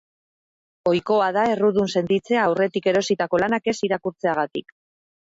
Ohikoa da errudun sentitzea aurretik erositako lanak ez irakurtzeagatik.